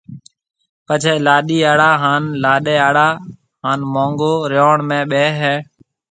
پچيَ لاڏِي آݪا ھان لاڏيَ آݪا ھان مانگو ريوڻ ۾ ٻيھيََََ ھيََََ